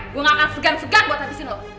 gue gak akan segan segan buat habisin loh